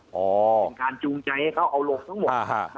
เป็นการจูงใจให้เขาเอาลงทั้งหมด